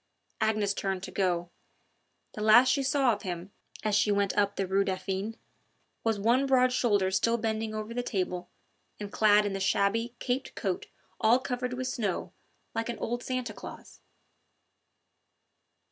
Agnes turned to go. The last she saw of him, as she went up the Rue Dauphine, was one broad shoulder still bending over the table, and clad in the shabby, caped coat all covered with snow like an old Santa Claus.